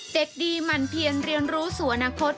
เด็กดีหมั่นเพียนเรียนรู้สู่อนาคต